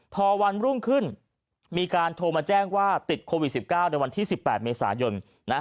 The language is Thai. พอวันรุ่งขึ้นมีการโทรมาแจ้งว่าติดโควิด๑๙ในวันที่๑๘เมษายน